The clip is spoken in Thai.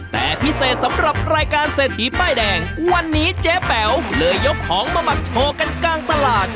แต่พิเศษสำหรับรายการเศรษฐีป้ายแดงวันนี้เจ๊แป๋วเลยยกของมาหมักโชว์กันกลางตลาด